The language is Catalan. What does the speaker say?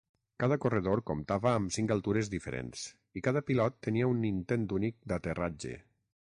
Cada corredor comptava amb cinc altures diferents i cada pilot tenia un intent únic d'aterratge.